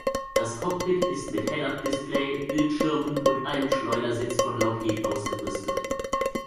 Das Cockpit ist mit Head-Up-Display, Bildschirmen und einem Schleudersitz von Lockheed ausgerüstet.